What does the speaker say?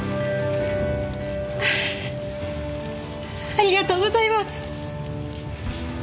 ありがとうございます！